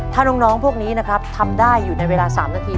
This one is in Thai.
ถ้าน้องพวกนี้นะครับทำได้อยู่ในเวลา๓นาที